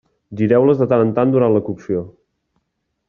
Gireu-les de tant en tant durant la cocció.